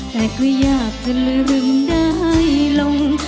แต่ก็อยากจะลืมได้ลง